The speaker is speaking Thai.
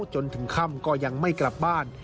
จนถึงค่ำก็ยังไม่กลับบ้าน